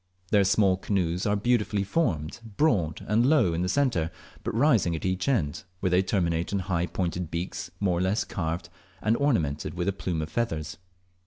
Their small canoes are beautifully formed, broad and low in the centre, but rising at each end, where they terminate in high pointed beaks more or less carved, and ornamented with a plume of feathers.